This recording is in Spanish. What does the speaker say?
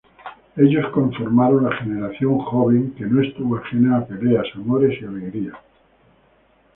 Ellos conformaron la generación joven, que no estuvo ajena a peleas, amores y alegrías.